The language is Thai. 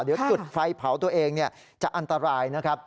เดี๋ยวจุดไฟเผาตัวเองจะอันตรายนะครับ